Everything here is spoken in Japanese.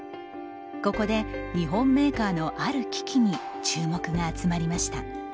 ここで日本メーカーのある機器に注目が集まりました。